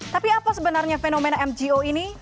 tapi apa sebenarnya fenomena mgo ini